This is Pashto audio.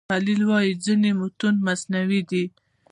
خلیل وايي ځینې متون مصنوعي دي.